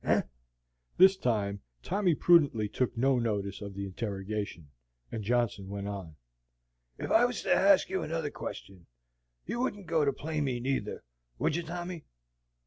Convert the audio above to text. Eh?" This time Tommy prudently took no notice of the interrogation, and Johnson went on: "Ef I was to ask you another question, you wouldn't go to play me neither, would you, Tommy?"